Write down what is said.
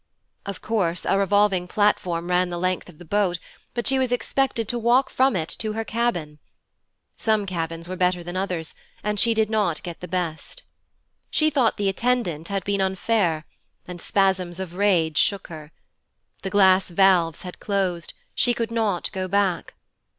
Of course a revolving platform ran the length of the boat, but she was expected to walk from it to her cabin. Some cabins were better than others, and she did not get the best. She thought the attendant had been unfair, and spasms of rage shook her. The glass valves had closed, she could not go back.